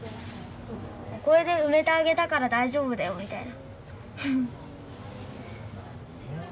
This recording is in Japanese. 「これで埋めてあげたから大丈夫だよ」みたいな。